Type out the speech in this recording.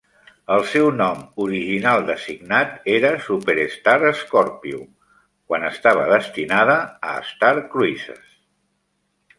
El seu nom original designat era Superstar Scorpio, quan estava destinada a Star Cruises.